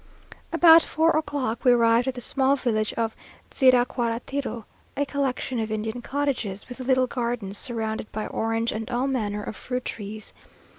About four o'clock we arrived at the small village of Tziracuaratiro, a collection of Indian cottages, with little gardens, surrounded by orange and all manner of fruit trees.